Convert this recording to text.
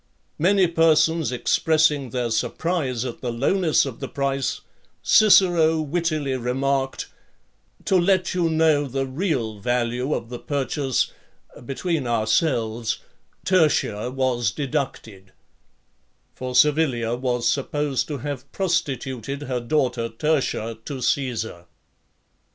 Many persons expressing their surprise at the lowness of the price, Cicero wittily remarked, "To let you know the real value of the purchase, between ourselves, Tertia was deducted:" for Servilia was supposed to have prostituted her daughter Tertia to Caesar.